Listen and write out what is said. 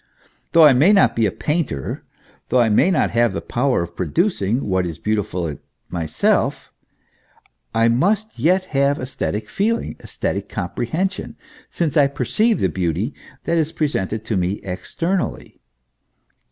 Though I may not be a painter, though I may not have the power of producing what is beau tiful myself, I must yet have esthetic feeling, aBsthetic com prehension, since I perceive the beauty that is presented to me externally.